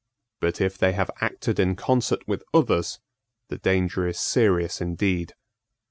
But if they have acted in concert with others, the danger is serious indeed."